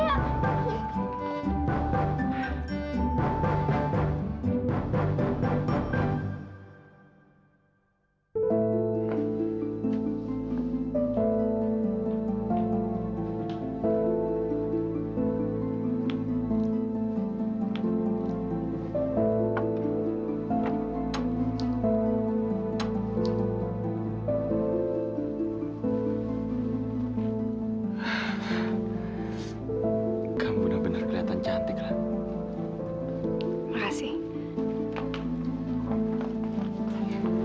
hai kamu bener bener kelihatan cantiklah masih